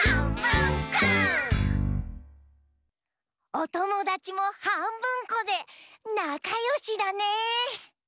おともだちもはんぶんこでなかよしだね。